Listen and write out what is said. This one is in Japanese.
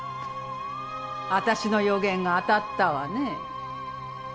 私の予言が当たったわね。